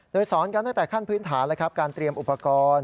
โดยสอนกันตั้งแต่ขั้นพื้นฐานเลยครับการเตรียมอุปกรณ์